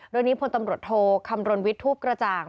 โดยนี้พลตำรวจโทคำรณวิทย์ทูปกระจ่าง